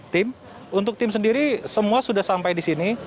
tim untuk tim sendiri semua sudah sampai di sini